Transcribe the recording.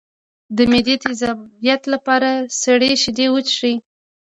د معدې د تیزابیت لپاره سړې شیدې وڅښئ